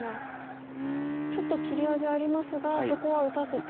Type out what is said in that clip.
ちょっと切り味ありますがそこは打たせて。